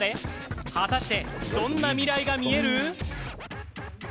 果たして、どんな未来がみえる？